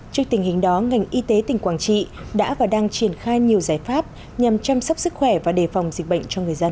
trước tình hình đó ngành y tế tỉnh quảng trị đã và đang triển khai nhiều giải pháp nhằm chăm sóc sức khỏe và đề phòng dịch bệnh cho người dân